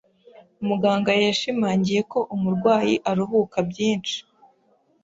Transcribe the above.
Muganga yashimangiye ko umurwayi aruhuka byinshi.